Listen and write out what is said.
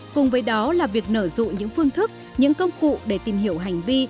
cùng với đó là việc nở rụ những phương thức những công cụ để tìm hiểu hành vi